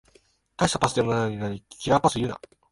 たいしたパスでもないのにキラーパス言うな